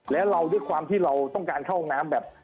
แล้วเราด้วยความที่เราต้องการเข้าห้องน้ำแบบ